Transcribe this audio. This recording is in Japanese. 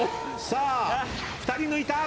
さあ２人抜いた！